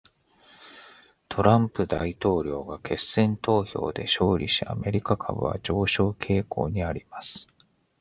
トランプ大統領が決選投票で勝利し、アメリカ株は上昇傾向にあります。